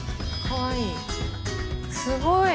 かわいい。